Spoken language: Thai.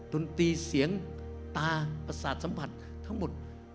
ดนตรีเสียงตาประสาทสัมผัสทั้งหมด